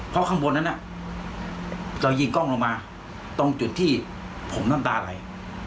เพราะข้างบนนั้นเรายิงกล้องลงมาตรงจุดที่ผมน้ำตาไหล